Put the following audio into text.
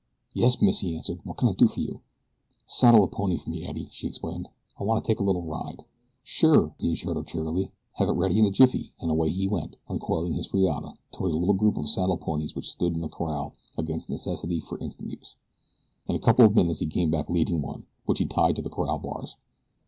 "Yes, miss," he answered. "What can I do for you?" "Saddle a pony for me, Eddie," she explained. "I want to take a little ride." "Sure!" he assured her cheerily. "Have it ready in a jiffy," and away he went, uncoiling his riata, toward the little group of saddle ponies which stood in the corral against necessity for instant use. In a couple of minutes he came back leading one, which he tied to the corral bars.